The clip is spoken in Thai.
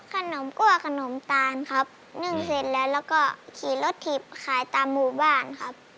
ขนมคั่วขนมตาลครับนึ่งเสร็จแล้วแล้วก็ขี่รถถีบขายตามหมู่บ้านครับ